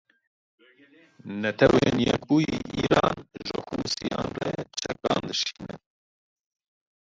Netewên Yekbûyî Îran ji Hûsiyan re çekan dişîne.